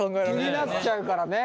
気になっちゃうからね。